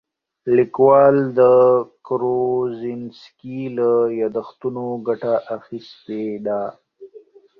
لیکوال د کروزینسکي له یادښتونو ګټه اخیستې ده.